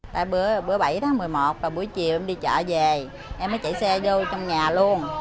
tại bữa bữa bảy tháng một mươi một và buổi chiều em đi chợ về em mới chạy xe vô trong nhà luôn